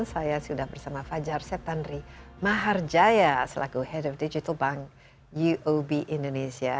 saya sudah bersama fajar setanri maharjaya selaku head of digital bank uob indonesia